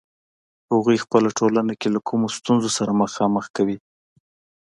هغوی خپله ټولنه له کومو ستونزو سره مخامخ کوي.